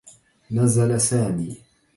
نزل سامي.